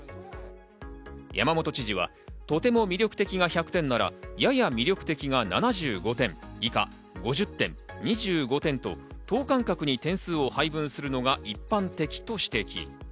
山本知事は、とても魅力的が１００点なら、やや魅力的が７５点、以下５０点、２５点と等間隔に点数を配分するのが一般的と指摘。